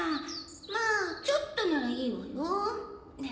まあちょっとならいいわよ。